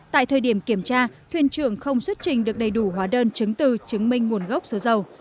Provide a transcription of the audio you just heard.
tại thời điểm kiểm tra thuyền trưởng không xuất trình được đầy đủ hóa đơn chứng từ chứng minh nguồn gốc số dầu